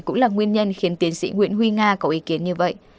cũng là nguyên nhân khiến tiến sĩ nguyễn huy nga có ý kiến như vậy